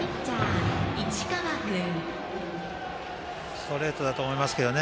ストレートだと思いますけどね。